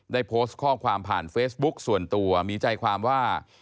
ได้โพสต์ข้อความผ่านเฟซบุ๊กส่วนตัวมีใจความว่า